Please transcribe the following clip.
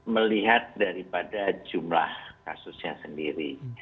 melihat daripada jumlah kasusnya sendiri